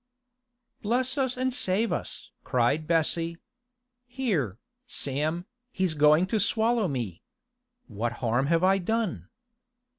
'Bless us and save us!' cried Bessie. 'Here, Sam, he's going to swallow me. What harm have I done?